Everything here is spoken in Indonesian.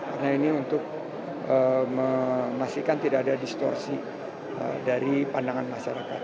karena ini untuk memastikan tidak ada distorsi dari pandangan masyarakat